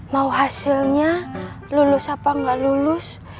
mau hasilnya lulus apa nggak lulus